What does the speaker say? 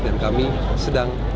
dan kami sedang